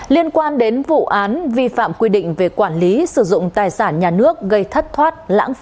liên quan đến vụ án vi phạm quy định về quản lý sử dụng tài sản nhà nước gây thất thoát lãng phí